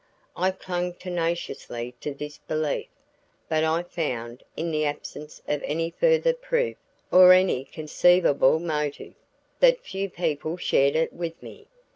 I clung tenaciously to this belief; but I found, in the absence of any further proof or any conceivable motive, that few people shared it with me.